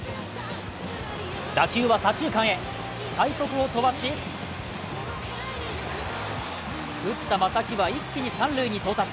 打球は左中間へ、快足を飛ばし打った正木は一気に三塁に到達。